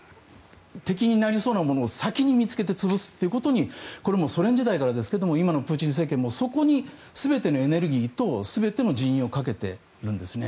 敵になりそうなものを先に見つけて潰すということにこれはソ連時代からですが今のプーチン政権もそこに全てのエネルギーと全ての人員をかけているんですね。